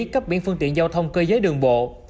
cấp biển phương tiện giao thông cơ giới đường bộ